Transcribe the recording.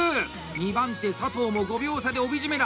２番手佐藤も５秒差で帯締めだ！